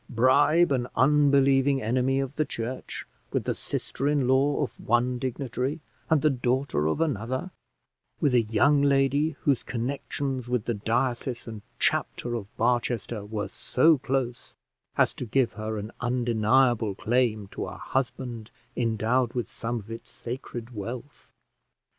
bribe an unbelieving enemy of the church with the sister in law of one dignitary and the daughter of another with a young lady whose connections with the diocese and chapter of Barchester were so close as to give her an undeniable claim to a husband endowed with some of its sacred wealth!